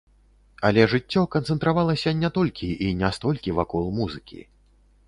Але жыццё канцэнтравалася не толькі і не столькі вакол музыкі.